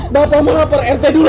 bapak mau hapar rc dulu